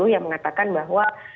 yang mengatakan bahwa